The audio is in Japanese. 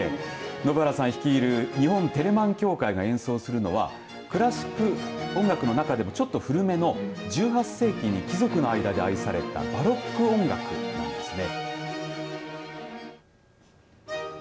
延原さん率いる日本テレマン協会が演奏するのはクラシック音楽の中でもちょっと古めの１８世紀に貴族の間で愛されたバロック音楽なんですね。